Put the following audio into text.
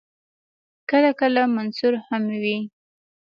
کله کله منثور هم وي.